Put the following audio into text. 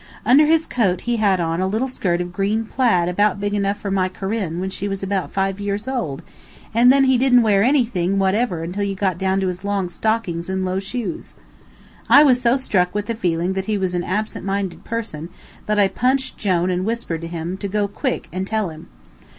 Under his coat he had on a little skirt of green plaid about big enough for my Corinne when she was about five years old, and then he didn't wear anything whatever until you got down to his long stockings and low shoes. I was so struck with the feeling that he was an absent minded person that I punched Jone and whispered to him to go quick and tell him.